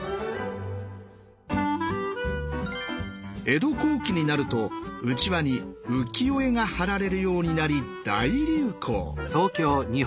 江戸後期になるとうちわに浮世絵が貼られるようになり大流行。